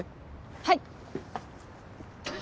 はい！